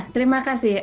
terima kasih betul